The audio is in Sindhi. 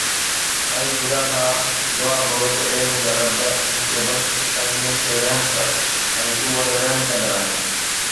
۽ خدا کان دعا گھرو ته اي منهنجا رب مون کي بخش ۽ مون تي رحم ڪر ۽ تون وڏو رحم ڪندڙ آهين